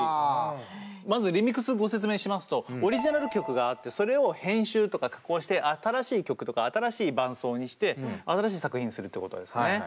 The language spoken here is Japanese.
まずリミックスご説明しますとオリジナル曲があってそれを編集とか加工して新しい曲とか新しい伴奏にして新しい作品にするってことですね。